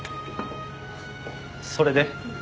それで？